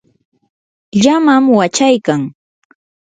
llamam wachaykan.